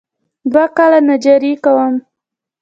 دوه کاله نجاري کوم.